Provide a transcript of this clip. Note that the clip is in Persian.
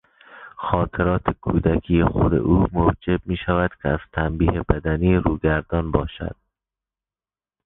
خاطرات کودکی خود او موجب میشود که از تنبیه بدنی روگردان باشد.